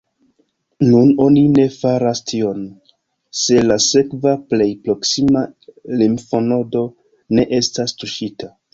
Nun oni ne faras tion, se la sekva plej proksima limfonodo ne estas tuŝita.